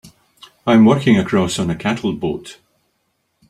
I'm working across on a cattle boat.